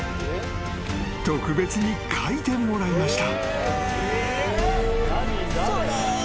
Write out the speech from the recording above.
［特別に描いてもらいました］